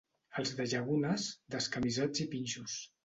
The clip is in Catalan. Els de Llagunes, descamisats i pinxos.